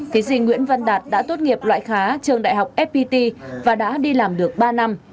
thí sinh nguyễn văn đạt đã tốt nghiệp loại khá trường đại học fpt và đã đi làm được ba năm